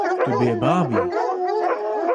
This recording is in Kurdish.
Tu bêbav î.